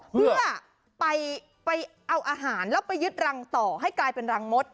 เพื่อไปเอาอาหารแล้วไปยึดรังต่อให้กลายเป็นรังมด